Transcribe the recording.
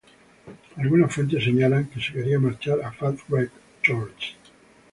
Algunas fuentes señalan que se quería marchar a Fat Wreck Chords.